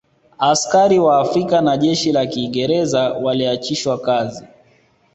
Askari Wa Afrika na jeshi la Kiingereza walioachishwa kazi